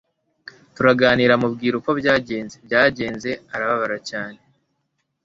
turaganira mubwira uko byagenze byagenze arababara cyane